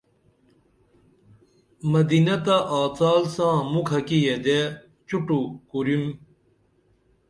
مدینہ تہ آڅال ساں مُکھہ کی یدے چوٹو کوریم